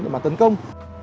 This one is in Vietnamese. để mà tấn công